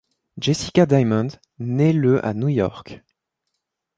Jessica Diamond naît le à New York.